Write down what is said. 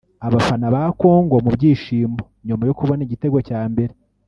Abafana ba Congo mu byishimoNyuma yo kubona igitego cya mbere